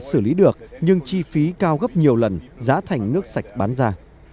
xử lý được nhưng chi phí cao gấp nhiều lần giá thành nước sạch bán ra